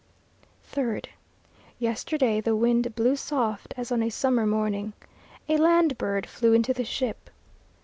3rd. Yesterday the wind blew soft as on a summer morning. A land bird flew into the ship.